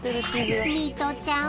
ミトちゃん